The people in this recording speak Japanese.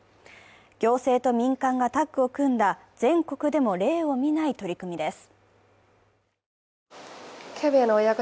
行政と民間がタッグを組んだ全国でも例を見ない取り組みです。